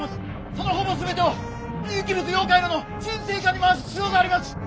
そのほぼ全てを有機物溶解炉の沈静化に回す必要があります！」。